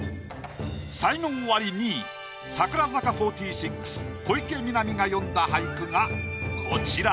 才能アリ２位櫻坂４６小池美波が詠んだ俳句がこちら。